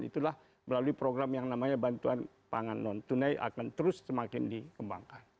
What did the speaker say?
itulah melalui program yang namanya bantuan pangan non tunai akan terus semakin dikembangkan